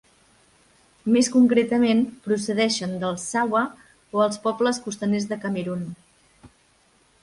Més concretament, procedeixen dels Sawa o els pobles costaners de Camerun.